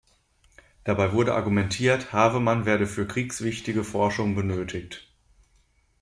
Dabei wurde argumentiert, Havemann werde für „kriegswichtige“ Forschung benötigt.